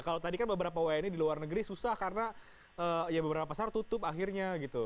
kalau tadi kan beberapa wni di luar negeri susah karena ya beberapa pasar tutup akhirnya gitu